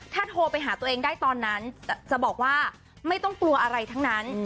ถ้าโทรไปหาตัวเองได้ตอนนั้นจะบอกว่าไม่ต้องกลัวอะไรทั้งนั้น